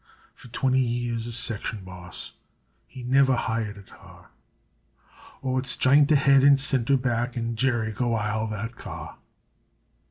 For twinty years a section boss, he niver hired a tar Oh, it's "j'int ahead and cinter back, An' Jerry, go ile that car!"